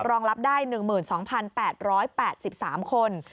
รองรับได้๑๒๘๘๓คน